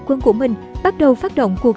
quân của mình bắt đầu phát động cuộc